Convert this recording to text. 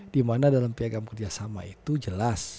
dimana dalam piagam kerjasama itu jelas